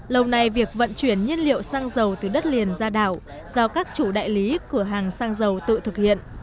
lâu nay việc vận chuyển nhân liệu xăng dầu từ đất liền ra đảo do các chủ đại lý cửa hàng xăng dầu tự thực hiện